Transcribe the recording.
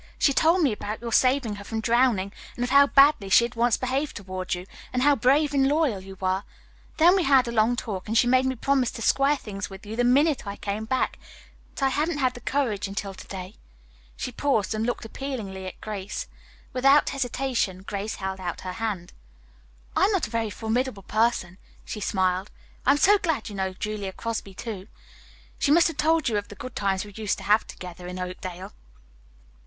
She told me about your saving her from drowning, and of how badly she had once behaved toward you, and how brave and loyal you were. Then we had a long talk and she made me promise to square things with you the minute I came back, but I haven't had the courage until to day." She paused and looked appealingly at Grace. Without hesitation Grace held out her hand. "I am not a very formidable person," she smiled. "I am so glad you know Julia Crosby, too. She must have told you of the good times we used to have together in Oakdale."